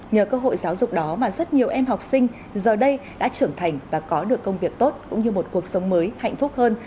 nhờ cơ hội giáo dục đó mà rất nhiều em học sinh giờ đây đã trưởng thành và có được công việc tốt cũng như một cuộc sống mới hạnh phúc hơn